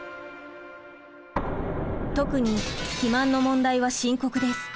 特に肥満の問題は深刻です。